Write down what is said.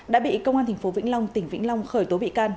đã bị công an tp vĩnh long tỉnh vĩnh long khởi tố bị can